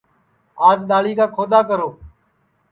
آج دؔاݪی کا کھودؔا کرو